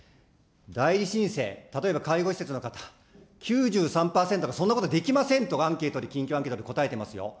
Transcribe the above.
代理申請、例えば介護施設の方、９３％がそんなことできませんと、アンケートに、緊急アンケートに答えてますよ。